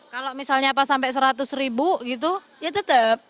kalau misalnya pas sampai seratus ribu gitu ya tetep